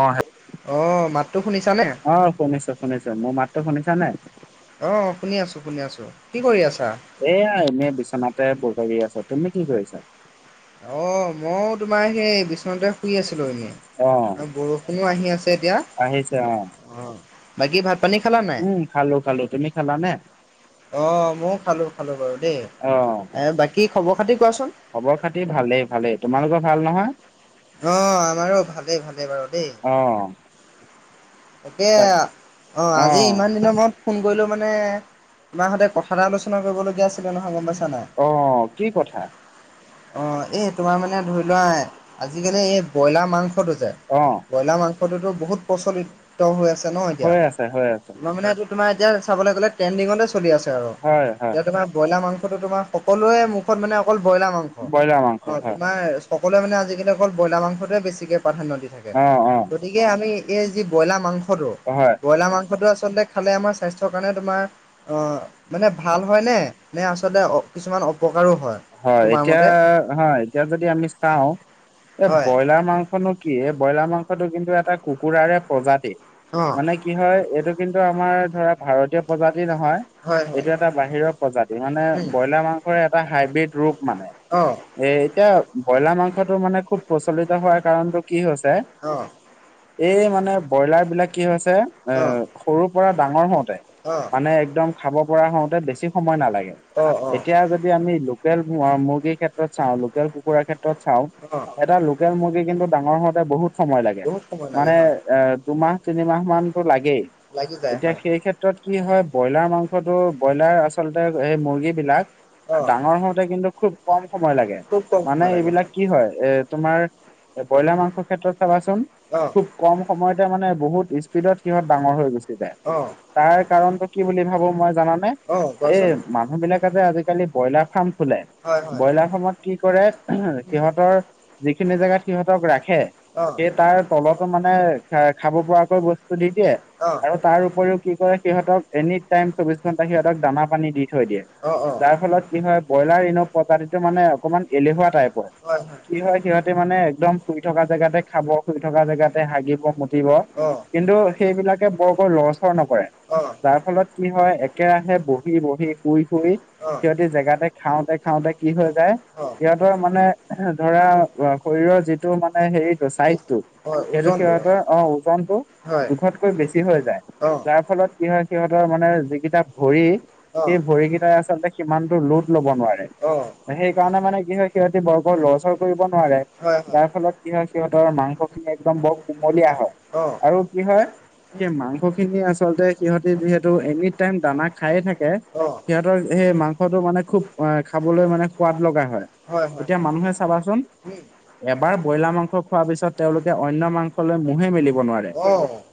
অ অঁ মাতটো শুনিছানে? আহ শুনিছো শুনিছো মোৰ মাতটো শুনিছা নাই অ শুনি আছো শুনি আছো কি কৰি আছা এয়া এনে বিচনাতে বগৰি আছা তুমি কি কৰিছা অ', মও তোমাৰ সেই বিচনাতে শুই আছিলো এনেই অ, আৰু বৰষুণো আহি আছে এতিয়া আহিছে অ অ বাকী ভাত পানী খালা নাই উম, খালো খালো তুমি খালা নে? অ', ময়ো খালো খালো বাৰু দেই। অ, এ বাকী খবৰ খাতি কোৱাচোন। খবৰ খাতি ভালেই ভালেই তোমালোকৰ ভাল নহয় অ', আমাৰো ভালেই ভালেই বাৰু দেই। অ'। তাকে তাক অ' আজি ইমান দিনৰ মূৰত ফোন কৰিলো মানে তোমাৰ সঁতে কথা এটা আলোচনা কৰিবলগীয়া আছিলে নহয়, গম পাইছা নাই। অ কি কথা অ এই তোমাৰ মানে ধৰি লোৱা আজিকালি এই ব্ৰইলাৰ মাংসটো যে অ'। ব্ৰইলাৰ মাংসটোতো বহুত প্ৰচলিত হৈ আছে ন' এতিয়া। হৈ আছে হৈ আছে তোমাৰ মানে তোমাৰ এতিয়া চাবলৈ গ'লে ট্ৰেণ্ডিঙতে চলি আছে আৰু। হয় হয় এতিয়া তোমাৰ ব্ৰইলাৰ মাংসটো তোমাৰ সকলোৱে মুখত মানে অকল ব্ৰইলাৰ মাংস। ব্ৰইলাৰ মাংস অ', হয় তোমাৰ সকলোৱে মানে আজিকালি অকল ব্ৰইলাৰ মাংসটোৱে বেছিকে প্ৰাধান্য দি থাকে অ, অ, গতিকে আমি এই যি ব্ৰইলাৰ মাংসটো হয়। ব্ৰইলাৰ মাংসটো আচলতে খালে আমাৰ স্বাস্থ্যৰ কাৰণে তোমাৰ অ, মানে ভাল হয় নে? নে আচলতে অ, কিছুমান অপকাৰো হয় হয় তোমাৰ এতিয়া মতে? হয় এতিয়া যদি আমি চাওঁ এ হয় ব্ৰইলাৰ মাংসনো কি ব্ৰইলাৰ মাংসটো কিন্তু এটা কুকুৰাৰে প্ৰজাতি অ' মানে কি হয় এইটো কিন্তু আমাৰ ধৰা ভাৰতীয় প্ৰজাতি নহয়। হয় হয় এইটো এটা বাহিৰৰ প্ৰজাতি মানে উম ব্ৰইলাৰ মাংসৰে এটা হাইব্ৰীড ৰোগ মানে অ' এ এতিয়া ব্ৰইলাৰ মাংসটো মানে খুব প্ৰচলিত হোৱাৰ কাৰণটো কি হৈছে অ'। এই মানে ব্ৰইলাৰ বিলাক কি হৈছে এ অ' সৰুৰ পৰা ডাঙৰ হওঁতে অ' মানে একদম খাব পৰা হওঁতে বেছি সময় নালাগে। অ' অ' এতিয়া যদি আমি লোকেল মুৰ্গীৰ ক্ষেত্ৰত চাওঁ লোকেল কুকুৰাৰ ক্ষেত্ৰত চাওঁ অ' এটা লোকেল মুৰ্গী কিন্তু ডাঙৰ হওঁতে বহুত সময় লাগে। বহুত সময় লাগে মানে হয় এ দুমাহ তিনিমাহ মানতো লাগেই। লাগি যায় এতিয়া হয় সেই ক্ষেত্ৰত কি হয় ব্ৰইলাৰ মাংসটো ব্ৰইলাৰ আচলতে সেই মুৰ্গী বিলাক অ। তে কিন্তু খুব কম সময় লাগে খুব কম মানে সময় লাগে এইবিলাক কি হয় এ তোমাৰ ব্ৰইলাৰ মাংস ক্ষেত্ৰত চাবাচোন অ' খুব কম সময়তে মানে বহুত স্পীডত সিহঁত ডাঙৰ হৈ গুচি যায়। অ' তাৰ কাৰণত কি বুলি ভাবো মই জানানে অ' এই কোৱাচোন মানুহবিলাকে যে আজিকালি ব্ৰইলাৰ ফাৰ্ম খোলে। হয় হয় ব্ৰইলাৰ ফাৰ্মত কি কৰে সিহঁতৰ যিখিনি জেগাত সিহঁতক ৰাখে। অ' সে টো মানে খা খাব পৰাকৈ বস্তু দি দিয়ে। অ' অ' আৰু তাৰ উপৰিও কি কৰে সিহঁতক এনি টাইম চৌবিশ ঘণ্টা সিহঁতক দানা পানী দি থৈ দিয়ে। অ অ। যাৰ ফলত কি হয় ব্ৰইলাৰ ইন প্ৰজাতিটো মানে অকমান এলেহুৱা টাইপৰ। কি হয় সিহঁতে মানে একদম শুই থকা জেগাতে খাব, শুই থকা জেগাতে হাগিব মুতিব অ' কিন্তু সেইবিলাকে বৰকৈ লৰচৰ নকৰে। অ' যাৰ ফলত কি হয় একেৰাহে বহি বহি শুই শুই অ' সিহঁতি জেগাতে খাওঁতে খাওঁতে কি হৈ যায় অ' সিহঁতৰ মানে ধৰা শৰীৰৰ যিটো মানে হেৰিটো চাইজটো হয় সেইটো ওজন সিহঁতৰ অ ওজনটো হয় জোখতকৈ বেছি হৈ যায়। অ' যাৰ ফলত কি হয় সিহঁতৰ মানে যিকেইটা ভৰি অ' সেই ভৰিকেইটাই আচলতে সিমানতটো লোট ল'ব নোৱাৰে। অ' সেই কাৰণে মানে কি হয় সিহঁতি বৰকৈ লৰচৰ কৰিব নোৱাৰে হয় হয় যাৰ ফলত কি হয় সিহঁতৰ মাংসখিনি একদম বৰ কুমলীয়া হয় অ' আৰু কি হয় সে মাংস খিনি আচলতে সিহঁতে যিহেতু এনি টাইম দানা খায়ে থাকে। অ' সিহঁতৰ সেই মাংসটো মানে খুব আহ খাবলৈ মানে সোৱাদ লগা হয় এতিয়া মানুহে চাবাচোন। উম এবাৰ ব্ৰইলাৰ মাংস খোৱাৰ পিছত তেওঁলোকে অন্য মাংসলৈ মোহে মেলিব নোৱাৰে।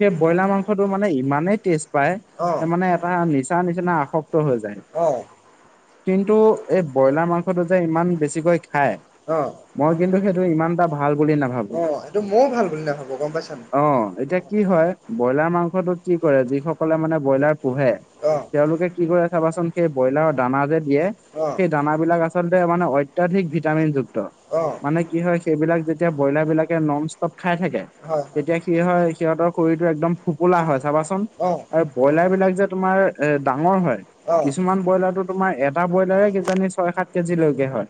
সেব ব্ৰইলাৰ মাংসটো মানে ইমানেই টেষ্ট অ' অ' পায়। মানে তা নিচা নিচিনা আসক্ত হৈ যায়। অ', কিন্তু এই ব্ৰইলাৰ মাংসটো যে ইমান বেছিকৈ খায় অ', মই কিন্তু সেইটো ইমান এটা ভাল বুলি নাভাব- অ এইটো ময়ো ভাল বুলি নাভাবো গম পাইছা নাই। অ', এতিয়া কি হয় ব্ৰইলাৰ মাংসটোত কি কৰে যিসকলে মানে ব্ৰইলাৰ পোহে। অ', তেওঁলোকে কি কৰে চাবাচোন সেই ব্ৰইলাৰৰ দানা যে দিয়ে অ', সেই দানাবিলাক আচলতে মানে অত্যাধিক ভিটামিন যুক্ত। অ', মানে কি হয় সেইবিলাক যেতিয়া ব্ৰইলাৰ বিলাকে নন ষ্টপ খাই থাকে হয়, হয়, তেতিয়া কি হয় সিহঁতৰ শৰীৰটো একদম ফোপোলা হয় চাবাচোন? অ', এ ব্ৰইলাৰ বিলাক যে তোমাৰ এ ডাঙৰ হয়। অ', অ', অ', কিছুমান ব্ৰইলাৰটো তোমাৰ এটা ব্ৰইলাৰে কিজানি ছয় সাত কেজিলৈকে হয়।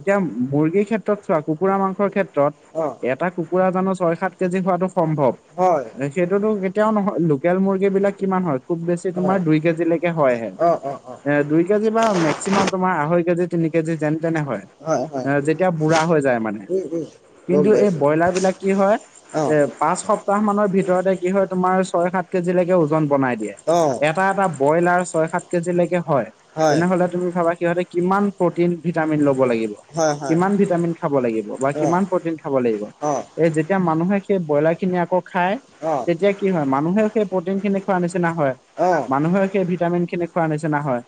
এতিয়া মুৰ্গীৰ ক্ষেত্ৰত চোৱা, কুকুৰা মাংসৰ ক্ষেত- ত্ৰত এটা কুকুৰা জানো ছয় সাত কেজি হোৱাটো সম্ভৱ। হয়, হয়, সেইটোতো কেতিয়াও নহয় লোকেল মুৰ্গীবিলাক কিমান হয় খুব বেছি তোমাৰ দুই কেজিলৈকে হয়হে। অ', অ', অ', এ দুই কেজি বা মেক্সিমাম তোমাৰ আঢ়ৈ কেজি তিনি কেজি যেন তেনে হয়। এ যেতিয়া বুঢ়া হৈ যায় মানে। উম, উম, গম কিন্তু এই পাইছোঁ। ব্ৰইলাৰবিলাক কি হয় অ', এ পাঁচ সপ্তাহ মানৰ ভিতৰতে কি হয় তোমাৰ ছয় সাত কেজিলৈকে ওজন বনাই দিয়ে। অ', এটা এটা ব্ৰইলাৰ ছয় সাত কেজিলৈকে হয়। তেনেহলে তুমি ভাবা সিহঁতে কিমান প্ৰটিন ভিটামিন লব লাগিব। হয়, হয়, কিমান ভিটামিন খাব লাগিব বা অ', কিমান প্ৰটিন খাব লাগিব? অ', অ', এ যেতিয়া মানুহে সেই ব্ৰইলাৰ খিনি আকৌ খায়। অ', তেতিয়া কি হয় মানুহেও সেই প্ৰটিন খিনি খোৱাৰ নিচিনা হয়। মানুহে সেই ভিটামিন খিনি খোৱা নিচিনা হয়।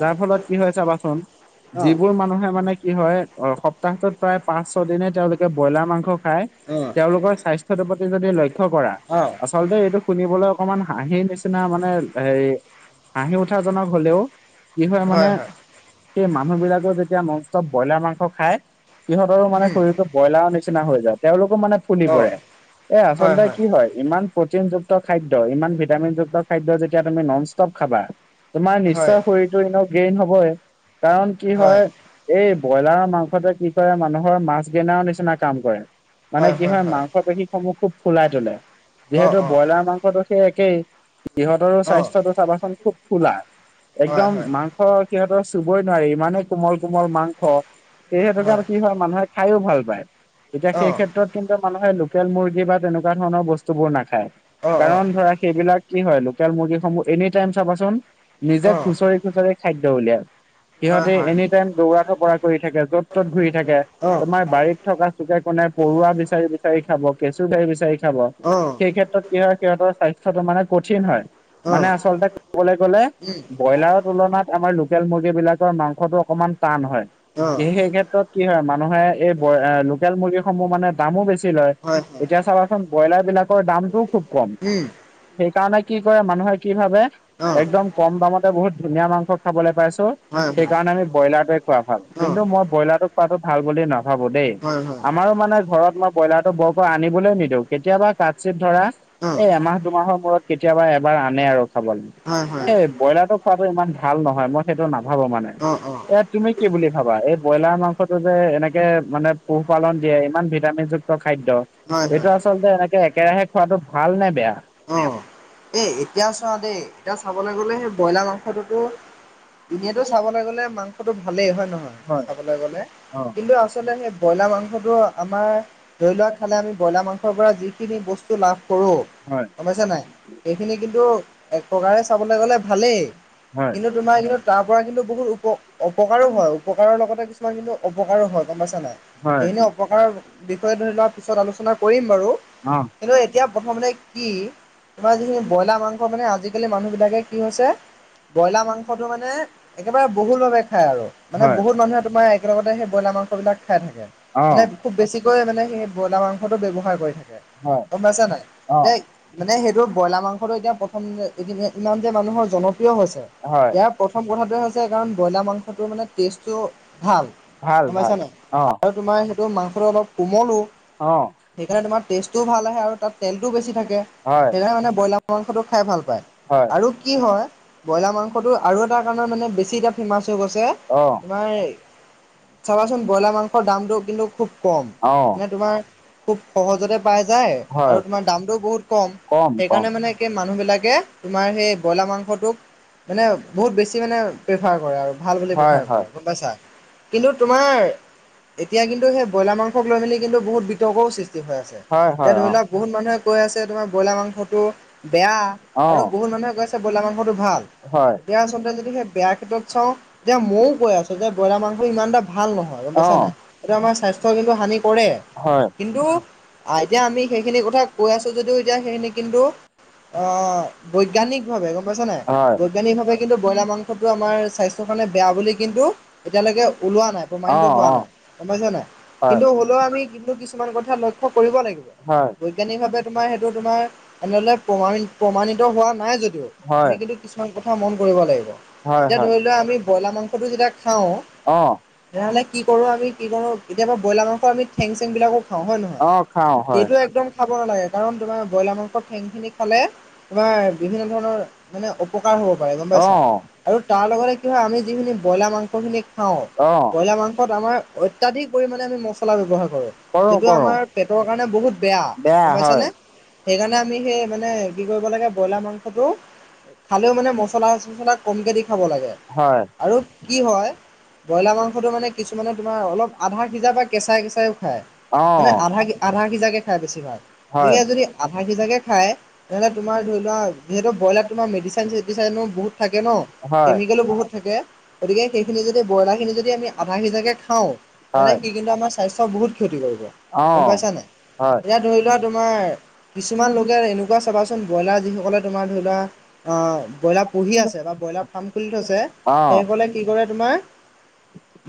যাৰ ফলত কি হয় চাবাচোন অ', অ', যিবোৰ মানুহে মানে কি হয় অৰখপ। সপ্তাহটোত প্ৰায় পাঁচ ছয় দিনে তেওঁলোকে ব্ৰইলাৰ মাংস খাই অ', তেওঁলোকৰ স্বাস্থ্য টোৰ প্ৰতি যদি লক্ষ্য কৰা। অ। আচলতে এইটো শুনিবলৈ অকমান হাঁহি নিচিনা মানে হেৰি হাঁহি উঠাজনক হলেও। কি হয় মানে সেই মানুহ বিলাকে যেতিয়া ননষ্টপ ব্ৰইলাৰ মাংস খায়। সিহঁতৰো মানে উম, শৰীৰটো ব্ৰইলাৰৰ নিচিনা হৈ যায় তেওঁলোকো মানে ফুলি অ', পৰে। এ আচলতে কি হয় ইমান। প্ৰটিনযুক্ত খাদ্য ইমান ভিটামিনযুক্ত খাদ্য যেতিয়া তুমি নন ষ্টপ খাবা। তোমাৰ হয়, নিশ্চয় শৰীৰটো এনেও গ্ৰেইন হবই। কাৰণ কি হয় এই ব্ৰইলাৰৰ মাংসতে কি কৰে মানুহৰ মাছ দেনাৰও নিচিনা কাম কৰে। মানে কি হয় মাংস পেশীসমূহ খুব ফুলাই তোলে। যিহেতু অ', ব্ৰইলাৰ মাংস সেই একেই সিহঁতৰো অ', অ'। স্বাস্থ্যটো চাবাচোন খুব ফুলা। হয় একদম হয় মাংস সিহঁতৰ চুবই নোৱাৰি ইমানে কোমল কোমল মাংস সেহসেতোকে কি হয় মানুহে খায়ো ভাল পায় এতিয়া অ সেই ক্ষেত্ৰত। কিন্তু মানুহে লোকেল মুৰ্গী বা তেনেকুৱা ধৰণৰ বস্তুবোৰ নাখায় অ অ কাৰণ ধৰা সেইবিলাক। কি হয় লোকেল মুৰ্গীসমূহ এনি টাইম চাবাচোন নিজে অ খুচৰি খুচৰি খাদ্য উলিয়ায়। হয় সিহঁতে হয় এনি টাইম দৌৰা থপৰা কৰি থাকে য'ত ত'ত ঘূৰি থাকে অ তোমাৰ বাৰীত। থকা চুকে কোনে পৰুৱা বিচাৰি বিচাৰি খাব কেচু কাৰি বিচাৰি। সেই অ ক্ষেত্ৰত কি হয় সিহতৰ স্বাস্থ্যটো মানে কঠিন হয় অ মানে আচলতে। ক'বলৈ গ'লে উম ব্ৰইলাৰৰ তুলনাত আমাৰ লোকেল মুৰ্গী বিলাকৰ মাংসটো অকমান টান হয়। সেই ক্ষেত্ৰত কি হয় মানুহে এই ব লোকেল মুৰ্গী সমূহ মানে। দামো বেছি লয় অ হয় হয় এতিয়া চাবাচোন ব্ৰইলাৰ বিলাকৰ দামটোও খুব কম। উম সেইকাৰণে কি কৰে মানুহে কি ভাবে অ একদম কম দামত। বহুত ধুনীয়া মাংস খাবলৈ পাইছো হয় সেই হয় কাৰণে আমি ব্ৰইলাৰটোৱে খোৱা ভাল অ কিন্তু মই ব্ৰইলাৰটো। খোৱাটো ভাল বুলি নাভাবো দেই। হয় হয় আমাৰো মানে ঘৰত মই। ব্ৰইলাৰটো বৰকৈ আনিবলৈ নিদিও কেতিয়াবা কাঠ চিত ধৰা অ এই এমাহ দুমাহৰ মূৰত। কেতিয়াবা এবাৰ আনে আৰু খাবলৈ হয় হয় এই ব্ৰইলাৰটো। খোৱাটো ইমান ভাল নহয় মই সেইটো নাভাবো মানে অ অ ইয়াত তুমি কি বুলি ভাবা এই। ব্ৰইলাৰ মাংসতো যে এনেকে মানে পোহপালন দিয়ে ইমান ভিটামিন যুক্ত খাদ্য। হয় এইটো হয় আচলতে এনেকে একেৰাহে খোৱাাতটো ভাল নে বেয়া। অ' এই এতিয়া চোৱা দেই এতিয়া চাবলৈ গ'লে সেই ব্ৰইলাৰ মাংসটোতো। ইনেটো চাবলৈ গলে মাংসটো ভালেই হয় নহয় হয় চাবলৈ গলে অ', কিন্তু আচ। আচল সেই ব্ৰইলাৰ মংসতটো আমাৰ ধৰি লোৱা খালে আমি ব্ৰইলাৰ মাংস। সিহঁতৰ পৰা যিখিনি বস্তু লাভ কৰোঁ। হয়। গম পাইছে নাই। সেইখিনি কিন্তু এক প্ৰকাৰে চাবলৈ গ'লে ভালেই। হয়, কিন্তু তোমাৰ কিন্তু তাৰ পৰা কিন্তু বহুত উপ অপকাৰো হয় উপ। উপকাৰৰ লগতে কিছুমান কিন্তু অপকাৰো হয় গম পাইছে নাই হয়, সেইনে। প্ৰকাৰ বিষয় ধৰি লোৱা পিছত আলোচনা কৰিম বাৰু। অ'। কিন্তু এতিয়া প্ৰথমতে কি তোমাৰ যিখিনি ব্ৰইলাৰ মাংস মানে আজিকালি মানুহবিলাকে কি হৈছে। ব্ৰইলাৰ মাংসটো মানে একেবাৰে বহুল ভাৱে খায় আৰু মানে হয়, বহুত মানুহে তোমাৰ। একেলগতে সেই ব্ৰইলাৰ মাংস বিলাক খাই থাকে অ', এনে। খুব বেছিকৈ মানে সেই ব্ৰইলাৰ মাংসটো ব্যৱহাৰ কৰি থাকে হয়, গম পাইছা নাই। অ', নে মানে সেইটো ব্ৰইলাৰ মাংসটো এতিয়া প্ৰথম যে এইকেইদিনতে ইমান যে মানুহৰ জনপ্ৰিয় হৈছে হয়, ইয়াৰ প্ৰথম কথাটোৱে হৈছে কাৰণ ব্ৰইলাৰ মাংসটো মানে টেষ্টটো ভাল ভাল, গম পাইছা ভাল, নাই অ', আৰু তোমাৰ সেইটো মাংসটো অলপ কোমলো অ', সেইকাৰণে তোমাৰ টেষ্টটোও ভাল আহে আৰু তাত তেল বেছি থাকে হয়, সেইকাৰণে মানে ব্ৰইলাৰ মাংসটো খাই ভাল পায় হয়, আৰু কি হয় ব্ৰইলাৰ মাংসটো আৰু এটা কাৰণে মানে বেছি এতিয়া ফেমাছ হৈ গৈছে অ', তোমাৰ এই চাবাচোন ব্ৰইলাৰ মাংসৰ দামটো কিন্তু খুব কম অ', মানে তোমাৰ খুব সহজতে পাই যায় আৰু হয়, তোমাৰ দামটো বহুত কম সেইকাৰণে মানে কি মানুহবিলাকে তোমাৰ সেই ব্ৰইলাৰ মাংসটোক মানে বহুত বেছি মানে প্ৰেফাৰ কৰে আৰু ভাল বুলি হয়, প্ৰেফাৰ কৰে হয়, গম পাইছা কিন্তু তোমাৰ এতিয়া কিন্তু সেই ব্ৰইলাৰ মাংসক লৈ মেলি কিন্তু বহুত বিতৰ্কও সৃষ্টি হৈ আছে হয়, এতিয়া হয়, ধৰি অ', লওক বহুত মানুহে কৈ আছে তোমাৰ ব্ৰইলাৰ মাংসটো বেয়া আৰু অ', বহুত মানুহে কৈছে ব্ৰইলাৰ মাংসটো ভাল হয়, এতিয়া আচলতে যদি সেই বেয়া ক্ষেত্ৰত চাও তেতিয়া ময়ও কৈ আছো যে ব্ৰইলাৰ মাংসটো ইমান এটা ভাল নহয় গম পাইছা অ', নাই সেইটো আমাৰ স্বাস্থ্য কিন্তু হানি কৰে হয়, কিন্তু আ এতিয়া আমি সেইখিনি কথা কৈ আছো যদিও এতিয়া সেইখিনি কিন্তু অহ বৈজ্ঞানিক ভাৱে গম পাইছা নাই হয়, বৈজ্ঞানিকভাৱে কিন্তু ব্ৰইলাৰ মাংসটো আমাৰ স্বাস্থ্যৰ কাৰণে বেয়া বুলি কিন্তু এতিয়ালৈকে ওলোৱা নাই প্ৰমাণিত অ', হোৱা অ', নাই গম পাইছা নাই হয়। কিন্তু হ লো আমি কিন্তু কিছুমান কথা লক্ষ্য কৰিব লাগিব হয়, বৈজ্ঞানিকভাৱে তোমাৰ সেইটো তোমাৰ এনেদৰে প্ৰমাণি প্ৰমাণিত হোৱা নাই যদিও হয়, আমি কিন্তু কিছুমান কথা মন কৰিব লাগিব হয়, এতিয়া হয়। ধৰি লোৱা আমি ব্ৰইলাৰ মাংসটো যেতিয়া খাও অ', তেনেহ'লে কি কৰো আমি কি কৰো কেতিয়াবা ব্ৰইলাৰ মাংস আমি ঠেং চেং বিলাকো খাও হয় অ খাও সেইটোৱে একদম খাব নালাগে কাৰণ তোমাৰ ব্ৰইলাৰ মাংস ঠেংখিনি খালে তোমাৰ বিভিন্ন ধৰণৰ মানে অপকাৰ হ'ব পাৰে গম পাইছা অ', আৰু তাৰ লগতে কি হয় আমি যিখিনি ব্ৰইলাৰ মাংসখিনি খাও অ', ব্ৰইলাৰ মাংসত আমাৰ অত্যাধিক পৰিমাণে আমি মচলা ব্যৱহাৰ কৰো কৰোঁ, যিটো কৰোঁ, আমাৰ পেটৰ মানে বহুত বেয়া গম পাইছা নে সেইকাৰণে আমি সেই মানে কি কৰিব লাগে ব্ৰইলাৰ মাংসটো খালেও মানে মছলা চছলা কমকে দি খাব লাগে। হয় আৰু কি হয় ব্ৰইলাৰ মাংসটো মানে কিছুমানে তোমাৰ অলপ আধা সিজা বা কেঁচাই কেঁচাইও খায় অ মানে আধা কে আধা সিজাকে খায় বেছিভাগ হয় গতিকে যদি আ আধা সিজাকে খায় তেনেহ'লে তোমাৰ ধৰি লোৱা যিহেতু ব্ৰইলাৰত তোমাৰ মেডিচাইন চেটিচাইনো বহুত থাকে ন হয় কেমিকেলো বহুত থাকে গতিকে সেইখিনি যদি ব্ৰইলাৰ খিনি যদি আমি আধা সিজাকে খাও তেনে হয় সি কিন্তু আমাৰ স্বাস্থ্যৰ বহুত ক্ষতি কৰিব গম অ পাইছা নাই হয় এতিয়া ধৰি লোৱা তোমাৰ কিছুমান লোকে এনেকোৱা চাবাচোন ব্ৰইলাৰ যিসকলে তোমাৰ ধৰি লোৱা অ ব্ৰইলাৰ পুহি আছে বা ব্ৰইলাৰ ফাৰ্ম খুলি থৈছে অ সেইসকলে কি কৰে তোমাৰ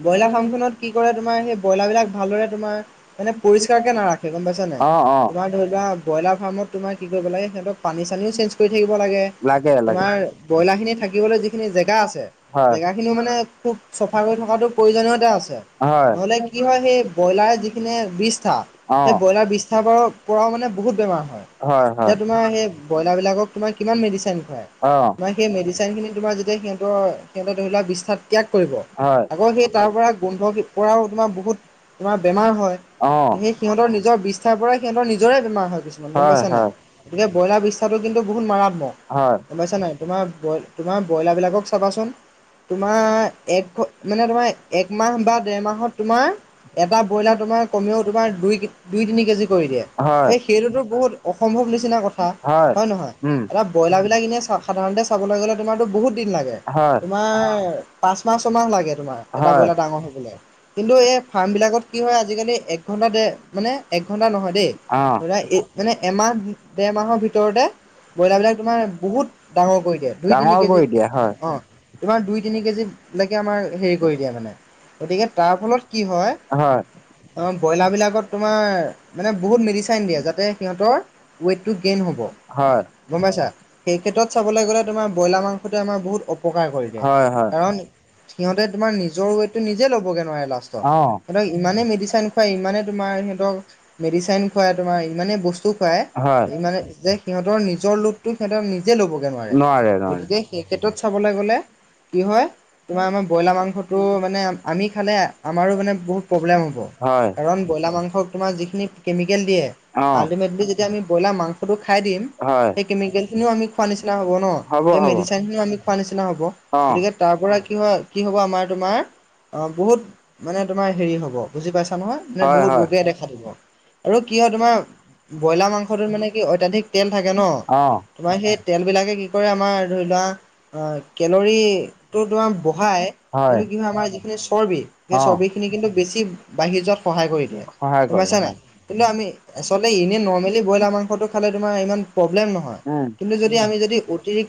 ব্ৰইলাৰ ফাৰ্মখনত কি কৰে তোমাৰ সেই ব্ৰইলাৰ বিলাক ভালদৰে তোমাৰ মানে পৰিষ্কাৰ তাকে নাৰাখে গম পাইছা নাই অ অ তোমাৰ ধৰি লোৱা ব্ৰইলাৰ ফাৰ্মত তোমাৰ কি কৰিব লাগে সিহঁতক পানী চানীও চেঞ্জ কৰি থাকিব লাগে তোমাৰ ব্ৰইলাৰখিনি থাকিবলৈ যিখিনি জেগা আছে হয় জেগা খিনিও মানে খুব চফা কৰি থকাটো প্ৰয়োজনীয়ত আছে। হয় নহ'লে কি হয় সেই ব্ৰইলাৰ যিখিনি বিষ্ঠা - অ সেই ব্ৰইলাৰ বিষ্ঠাৰ পৰাও পৰাও মানে বহুত বেমাৰ হয়। তেতিয়া তোমাৰ সেই ব্ৰইলাৰবিলাকক - তোমাৰ কিমান মেডিচিন খুৱাই অ তোমাৰ সেই মেডিচিন খিনি তোমাৰ যেতিয়া সিহ- তৰ সিহঁতে ধৰি লোৱা বিষ্ঠাত ত্যাগ কৰিব। হয় আকৌ সেই তাৰ পৰা গোন্ধ পৰাও তোমাৰ বহুত তোমাৰ বেমাৰ হয়। অ তুমি - সিহঁতৰ নিজৰ বিষ্ঠাৰ পৰাই সিহঁতৰ নিজৰে বেমাৰ হয় কিছুমান গম পাইছা নাই? গতিকে ব্ৰইলাৰ বিষ্ঠাটো কিন্তু বহুত মাৰাত্মক। হয় গম পাইছা নাই তোমাৰ বই তোমাৰ ব্ৰইলাৰবিলাকক চাবাচোন! তোমাৰ এক ঘ মানে তোমাৰ একমাহ বা দেৰ মাহত তোমাৰ এটা ব্ৰইলাৰ তো - তোমাৰ কমেও তোমাৰ দুই - দুই তিনি কেজি কৰি দিয়ে হয় এই সেইটোতো বহুত অসম্ভৱ নিচিনা কথা, হয় নহয়? উম এটা ব্ৰইলাৰিলাক এনে চাওঁক - সাধাৰণতে চাবলৈ গলে তোমাৰতো বহুত দিন লাগে হয় তোমাৰ পাঁচ মাহ ছমাহ লাগে তোমাৰ। এটা ব্ৰইলাৰ হয় ডাঙৰ হবলে। কিন্তু এই ফাৰ্ম বিলাকত কি হয় আজিকালি এক ঘন্টাটে - মানে এক ঘণ্টা নহয় দেই, ধৰা এই - মানে এমাহ ডেৰ মাহৰ ভিতৰতে ব্ৰইলাৰ বিলাক তোমাৰ বহুত ডাঙৰ কৰি দিয়ে। দিয়ে। দুই তিনি ডাঙৰ কেজি কৰি দিয়ে হয় অ তোমাৰ দুই তিনি কেজি - যেনেকে আমাৰ হেৰি কৰি দিয়ে মানে, গতিকে তাৰ ফলত কি হয়। অ' ব্ৰইলাৰ বিলাকত - তোমাৰ মানে বহুত মেডিচাইন দিয়ে যাতে সিহঁতৰ ৱেইটটো গেইন হ'ব। হয়। গম পাইছা! সেই ক্ষেত্ৰত চাবলৈ গ'লে তোমাৰ ব্ৰইলাৰ মাংসটোৱে আমাৰ বহুত অ- অপকাৰ কৰি দিয়ে, হয় হয় কাৰণ সিহঁতে তোমাৰ নিজৰ ৱেইটটো নিজে ল'বগৈ নোৱাৰে লাষ্টত। অ'। সিহঁতক ইমানেই মেডিচাইিন খুৱাই ইমানেই তোমাৰ সিহঁতক মেডিচাইিন খুৱাই তোমাৰ ইমানেই বস্তু - খুৱাই হয়। ইমানে যে সিহঁতৰ নিজৰ লোডতো সিহঁতে নিজে ল'বগে নোৱাৰে গতিকে - সেই ক্ষেত্ৰত চাবলৈ গ'লে - কি হয় তোমাৰ আমাৰ ব্ৰইলাৰ মাংসটো মানে আমি আমি খালে আমাৰো মানে বহুত- প্ৰব্লেম হব হয়। কাৰণ ব্ৰইলাৰ মাংসত তোমাৰ যিখিনি কেমিকেল দিয়ে অ'। আল্টিমেটলি - যেতিয়া আমি ব্ৰইলাৰ মাংসটো খাই দিম হয়। সেই কেমিকেল খিনিও আমি খোৱা নিচিনা হব ন। সেই মেডিচাইন খিনিও আমি খোৱাৰ নিচিনা হব। অ'। গতিকে - তাৰপৰা কি হয় কি হ'ব আমাৰ তোমাৰ বহুত মানে তোমাৰ হেৰি হ'ব বুজি পাইছা নহয়। মানে হয় বহুত ৰোগে দেখা হয়। দিব আৰু কি হয় তোমাৰ ব্ৰইলাৰ মাংসটোত মানে কি অত্যাধিক - তেল থাকে ন অ', - তোমাৰ সেই তেলবিলাকে কি কৰে আমাৰ ধৰি লোৱা কেলৰিটো তোমাৰ ব- বঢ়াই কিন্তু কি হয় আমাৰ যিখিনি চৰ্বি সেই অ'। চৰ্বিখিনি কিন্তু বেছি বাঢ়ি যোৱাত সহায় কৰি - দিয়ে। সহায় কৰে গমপাইছা নাই হয়, কিন্তু আমি আচলতে ই এনে নৰ্মেলি বইলাৰ মাংসটো - খালে তোমাৰ ইমান প্ৰব্লেম নহয় উম। কিন্তু যদি আমি যদি অতিৰিক্ত -